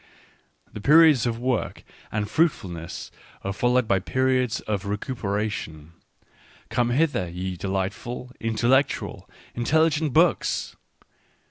... The periods of work and fruit fulness are followed by periods of recuperation : come hither, ye delightful, intellectual, intelligent books